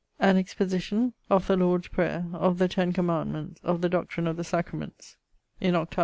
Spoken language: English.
An exposition of the Lord's Prayer, of the Ten Commandments, of the doctrine of the Sacraments; in 8vo.